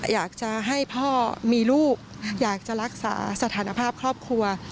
อยากจะให้พ่อมีลูกอยากจะรักษาสถานภาพครอบครัว